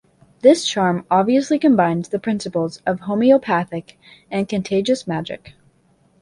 This charm obviously combines the principles of homeopathic and contagious magic.